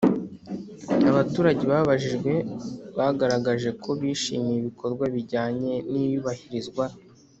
Abaturage babajijwe bagaragaje ko bishimiye ibikorwa bijyanye n iyubahirizwa